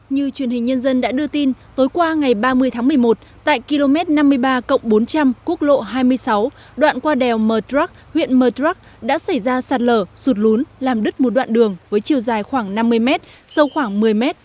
như truyền hình nhân dân đã đưa tin tối qua ngày ba mươi tháng một mươi một tại km năm mươi ba bốn trăm linh quốc lộ hai mươi sáu đoạn qua đèo mờ đắc huyện mờ đắc đã xảy ra sạt lở sụt lún làm đứt một đoạn đường với chiều dài khoảng năm mươi m sâu khoảng một mươi m